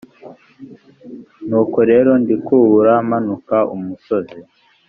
nuko rero ndikubura, manuka umusozi,